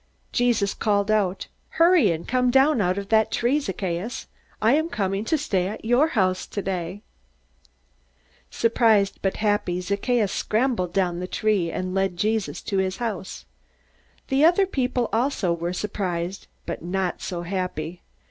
Jesus called out: "Hurry and come down out of that tree, Zacchaeus. I am coming to stay at your house today!" Surprised but happy, Zacchaeus scrambled down the tree and led Jesus to his house. The other people also were surprised, but not so happy.